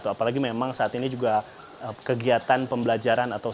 apalagi memang saat ini juga kegiatan pembelajaran atau sekolah